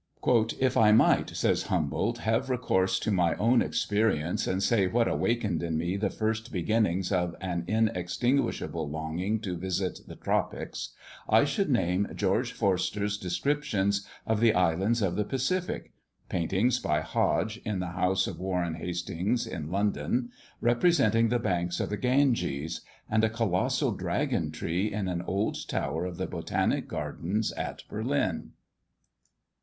"If I might (says Humboldt) have recourse to my own experience, and say what awakened in me the first beginnings of an inextinguishable longing to visit the tropics, I should name George Forster's descriptions of the islands of the Pacific paintings, by Hodge, in the house of Warren Hastings, in London, representing the banks of the Ganges and a colossal dragon tree in an old tower of the Botanic Gardens at Berlin."